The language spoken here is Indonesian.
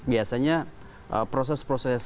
biasanya proses prosesnya itu tidak terlalu negatif